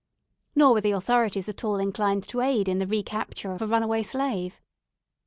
Nor were the authorities at all inclined to aid in the recapture of a runaway slave.